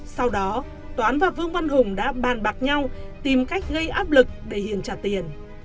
sau đó toán và vương văn hùng đã bàn bạc nhau tìm cách gây áp lực để hiền trả tiền